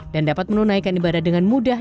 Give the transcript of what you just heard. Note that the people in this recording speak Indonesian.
dapat menunaikan ibadah dengan mudah